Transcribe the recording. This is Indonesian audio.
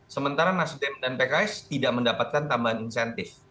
sementara nasdem dan pks tidak mendapatkan tambahan insentif